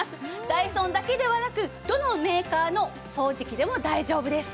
ダイソンだけではなくどのメーカーの掃除機でも大丈夫です。